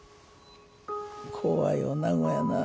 怖い女子やなぁ。